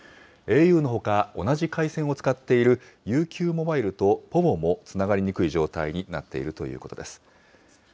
ａｕのほか、同じ回線を使っているＵＱモバイルとｐｏｖｏもつながりにくい状況になっているということです。